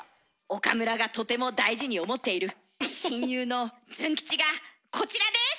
岡村がとても大事に思っている親友のズン吉がこちらです！